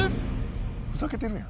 ふざけてるやん。